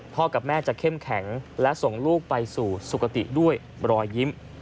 กับแม่จะเข้มแข็งและส่งลูกไปสู่สุขติด้วยรอยยิ้ม